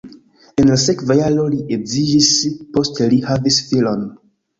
En la sekva jaro li edziĝis, poste li havis filon.